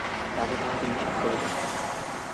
রাজা তাহাকে নিষেধ করিলেন।